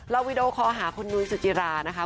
วีดีโอคอลหาคุณนุ้ยสุจิรานะคะ